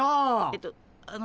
えとあの。